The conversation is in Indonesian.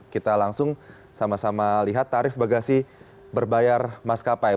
kita langsung sama sama lihat tarif bagasi berbayar maskapai